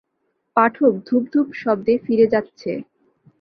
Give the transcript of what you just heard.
পাঠক ধুপ ধুপ শব্দে ফিরে যাচ্ছে!